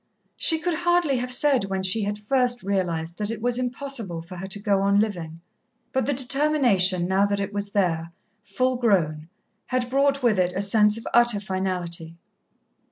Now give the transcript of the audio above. She could hardly have said when she had first realized that it was impossible for her to go on living. But the determination, now that it was there, full grown, had brought with it a sense of utter finality.